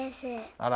あら。